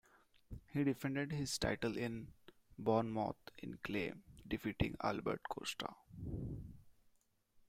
He defended his title in Bournemouth in clay, defeating Albert Costa.